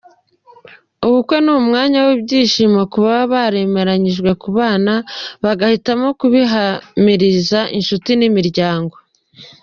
Ubukwe ni umwanya w’ibyishimo ku baba baremeranyije kubana bagahitamo kubihamiriza inshuti n’imiryango.